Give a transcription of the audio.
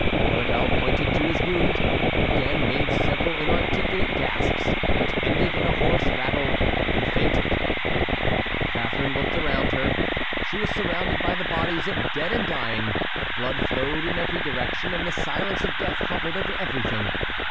Maurevel pointed to his wound, again made several inarticulate gasps, which ended in a hoarse rattle, and fainted. Catharine looked around her. She was surrounded by the bodies of dead and dying; blood flowed in every direction, and the silence of death hovered over everything.